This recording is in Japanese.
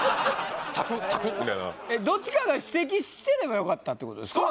サクッサクッみたいなどっちかが指摘してればよかったってことですか？